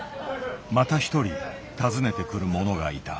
また一人訪ねてくる者がいた。